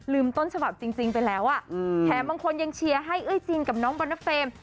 ต้นฉบับจริงไปแล้วอ่ะแถมบางคนยังเชียร์ให้เอ้ยจินกับน้องบอนเดอร์เฟรม